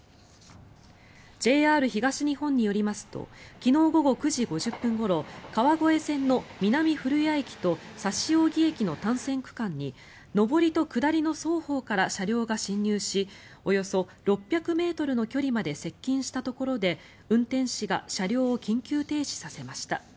ＪＲ東日本によりますと昨日午後９時５０分ごろ川越線の南古谷駅と指扇駅の単線区間に上りと下りの双方から車両が進入しおよそ６００ｍの距離まで接近したところで運転士が車両を緊急停止させました。